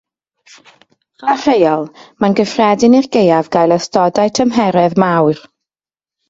Fel rheol, mae'n gyffredin i'r gaeaf gael ystodau tymheredd mawr.